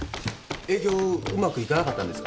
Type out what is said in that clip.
営業うまくいかなかったんですか？